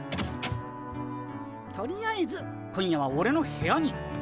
とりあえず今夜はオレの部屋に。